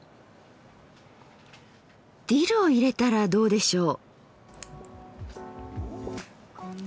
ディルを入れたらどうでしょう？